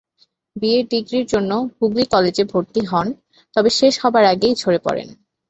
BA ডিগ্রির জন্য হুগলি কলেজে ভর্তি হন তবে শেষ হবার আগেই ঝরে পড়েন।